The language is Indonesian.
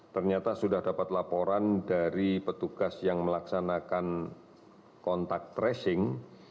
ternyata sudah dapat laporan dari petugas yang melaksanakan kontak tracing